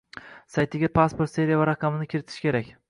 Saytiga pasport seriyasi va raqamini kiritish kerak